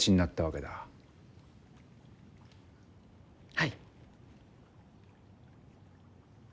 はい。